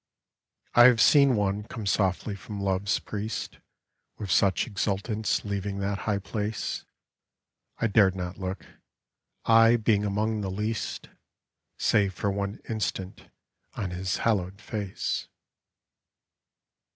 I have seen one come softly from Love's priest, With such exultance leaving that high place, I dared not look — I being among the least — Save for one instant on his hallowed face.